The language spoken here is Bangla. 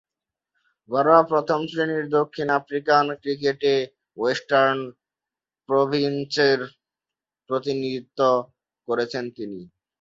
ঘরোয়া প্রথম-শ্রেণীর দক্ষিণ আফ্রিকান ক্রিকেটে ওয়েস্টার্ন প্রভিন্সের প্রতিনিধিত্ব করেছেন তিনি।